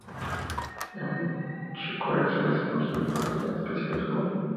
En Chicureo se realizan muchos deportes, en especial el fútbol.